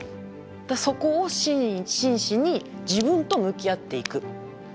そこを真摯に自分と向き合っていく。